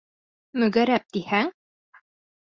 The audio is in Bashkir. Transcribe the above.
Мөгәрәп тиһәң...